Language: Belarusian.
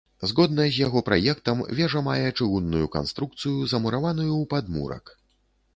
Згодна з яго праектам, вежа мае чыгунную канструкцыю, замураваную ў падмурак.